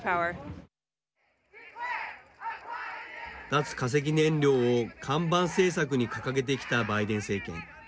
脱・化石燃料を看板政策に掲げてきたバイデン政権。